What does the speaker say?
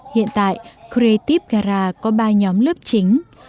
hiện tại creative garage có ba nhóm lớp chính